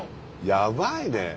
やばいね。